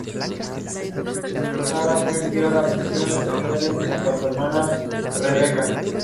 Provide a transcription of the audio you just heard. Su nombre hace referencia al municipio castellano de Cilleruelo de Bezana.